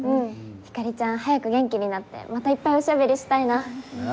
ひかりちゃん早く元気になってまたいっぱいおしゃべりしたいな。